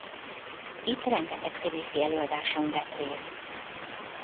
Itt rengeteg színészi előadáson vett részt.